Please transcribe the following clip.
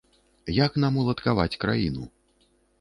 Як нам уладкаваць краіну?